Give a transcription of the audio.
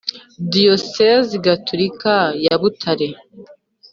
Diyosezi gatorika ya butare